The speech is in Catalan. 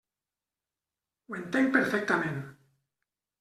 Ho entenc perfectament.